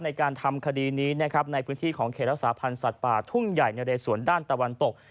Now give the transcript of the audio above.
ในการทำคดีนี้นะครับในพื้นที่ของเขตรักษาพันธ์สัตว์ป่าทุ่งใหญ่นะเรสวนด้านตะวันตก